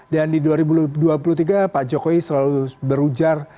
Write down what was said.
dan di dua ribu dua puluh tiga pak jokowi selalu berujar